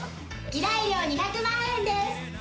依頼料２００万円です。